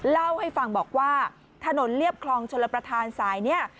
เล่าให้ฟังบอกว่าถนนเรียบคลองชลประธานสายนี้